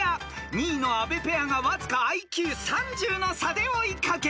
［２位の阿部ペアがわずかＩＱ３０の差で追い掛ける］